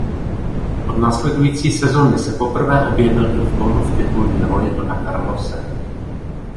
Od následující sezony se poprvé objevil i v Bonnu v titulní roli "Dona Carlose".